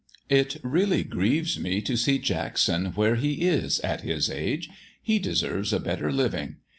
"It really grieves me to see Jackson where he is at his age. He deserves a better living.